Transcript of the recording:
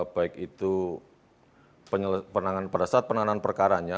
baik itu pada saat penanganan perkaranya